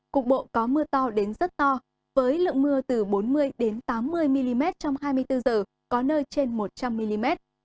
cục bộ có mưa to đến rất to với lượng mưa từ bốn mươi tám mươi mm trong hai mươi bốn h có nơi trên một trăm linh mm